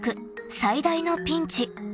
最大のピンチ］